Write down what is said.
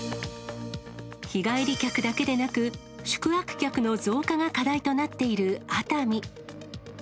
日帰り客だけでなく、宿泊客の増加が課題となっている熱海。